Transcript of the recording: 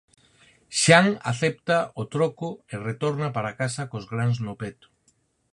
Xan acepta o troco e retorna para casa cos grans no peto.